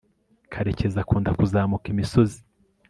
karekezi akunda kuzamuka imisozi